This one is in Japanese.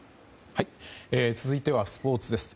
続いてはスポーツです。